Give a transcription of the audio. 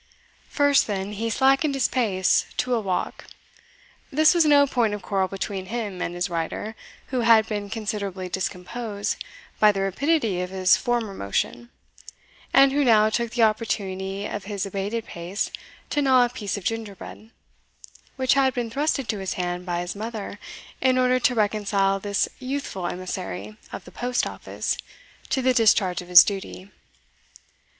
First, then, he slackened his pace to a walk This was no point of quarrel between him and his rider, who had been considerably discomposed by the rapidity of his former motion, and who now took the opportunity of his abated pace to gnaw a piece of gingerbread, which had been thrust into his hand by his mother in order to reconcile this youthful emissary of the post office to the discharge of his duty.